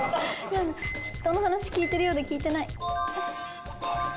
人の話聞いてるようで聞いてない。